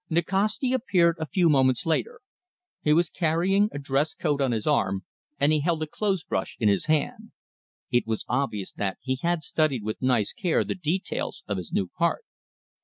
Nikasti appeared, a few moments later. He was carrying a dress coat on his arm, and he held a clothes brush in his hand. It was obvious that he had studied with nice care the details of his new part.